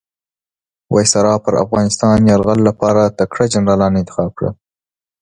وایسرا پر افغانستان یرغل لپاره تکړه جنرالان انتخاب کړل.